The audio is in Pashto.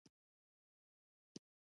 خوشال بابا هم د همت په وزرونو الوتل یادوي